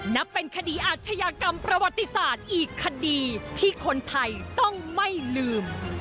นับเป็นคดีอาชญากรรมประวัติศาสตร์อีกคดีที่คนไทยต้องไม่ลืม